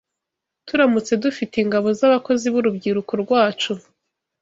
Turamutse dufite ingabo z’abakozi b’urubyiruko rwacu